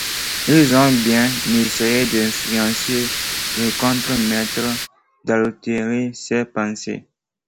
Ils ont bien essayé d’influencer le contre-maître, d’altérer ses pensées.